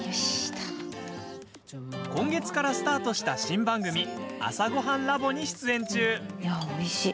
今月からスタートした新番組「朝ごはんＬａｂ．」に出演中！